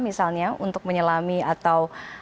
misalnya untuk menyelami atau